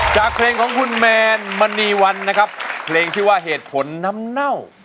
จากเพลงของคุณแมนมณีวันนะครับเพลงชื่อว่าเหตุผลน้ำเน่า